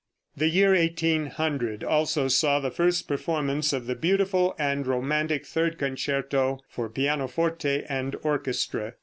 The year 1800 also saw the first performance of the beautiful and romantic third concerto for pianoforte and orchestra.